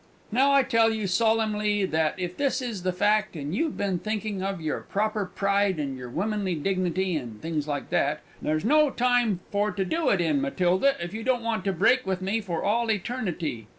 "Now I tell you solimly that if this is the fact, and you've been thinking of your proper pride and your womanly dignity and things like that there's no time for to do it in Matilda, if you don't want to break with me for all Eternity!